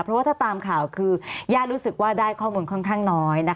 เพราะว่าถ้าตามข่าวคือญาติรู้สึกว่าได้ข้อมูลค่อนข้างน้อย